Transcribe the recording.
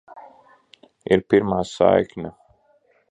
Ir pirmā saikne.